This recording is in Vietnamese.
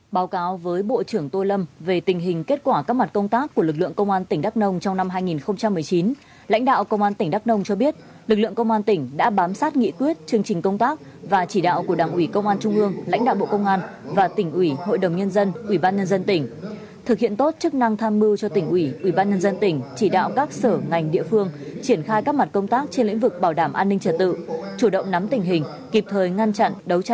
báo cáo với bộ trưởng tô lâm về tình hình kết quả các mặt công tác của lực lượng công an tỉnh đắk nông trong năm hai nghìn một mươi chín lãnh đạo công an tỉnh đắk nông cho biết lực lượng công an tỉnh đã bám sát nghị quyết chương trình công tác và chỉ đạo của đảng ủy công an trung ương lãnh đạo bộ công an và tỉnh ủy hội đồng nhân dân ủy ban nhân dân tỉnh thực hiện tốt chức năng tham mưu cho tỉnh ủy ủy ban nhân dân tỉnh chỉ đạo các sở ngành địa phương triển khai các mặt công tác trên lĩnh vực bảo đảm an ninh trả tự